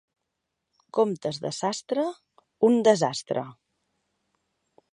Comptes de sastre, un desastre.